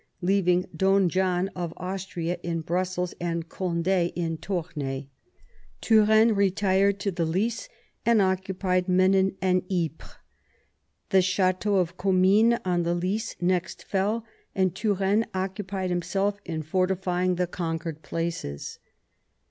Leaving Don John of Austria in Brussels and Cond^ in Tournay, Turenne retired to the Lys, and occupied Menin and Ypres. The chateau of Commines on the Lys next fell, and Turenne busied himself in fortifying the conquered places.